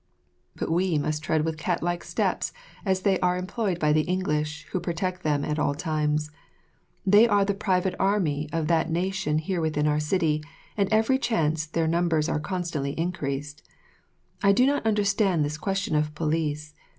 But we must tread with cat like steps, as they are employed by the English, who protect them at all times. They are the private army of that nation here within our city, and at every chance their numbers are constantly increased. I do not understand this question of police.